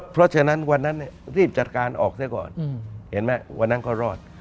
เพราะฉะนั้นวันนั้นรีบจัดการออกซะก่อนเห็นไหมวันนั้นเขารอด